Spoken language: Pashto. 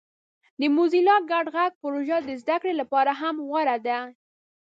د موزیلا ګډ غږ پروژه د زده کړې لپاره هم غوره ده.